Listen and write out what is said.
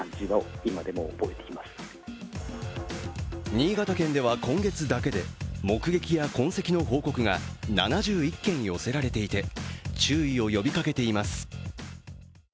新潟県では今月だけで目撃や痕跡の報告が７１件寄せられていて注意を呼びかけています。